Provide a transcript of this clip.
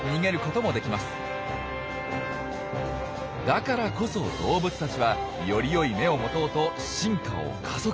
だからこそ動物たちはよりよい眼を持とうと進化を加速。